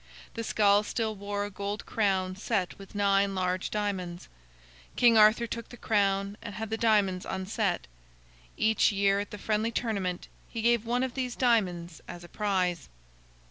The skull still wore a gold crown set with nine large diamonds. King Arthur took the crown and had the diamonds unset. Each year at the friendly tournament he gave one of these diamonds as a prize.